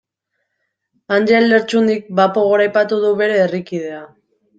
Anjel Lertxundik bapo goraipatu du bere herrikidea.